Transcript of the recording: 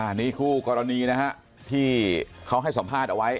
อันนี้คู่กรณีนะฮะที่เขาให้สัมภาษณ์เอาไว้